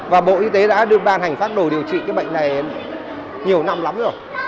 và bộ y tế đã được ban hành phác đồ điều trị cái bệnh này nhiều năm lắm rồi